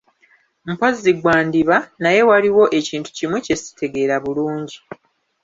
Mpozzi gwandiba, naye waliwo ekintu kimu kye sitegeera bulungi.